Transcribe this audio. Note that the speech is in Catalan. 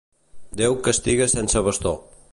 Déu castiga sense bastó.